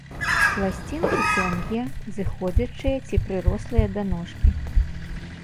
Пласцінкі тонкія, зыходзячыя ці прырослыя да ножкі.